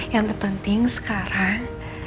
yang terpenting sekarang